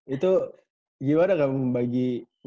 itu gimana kan membagi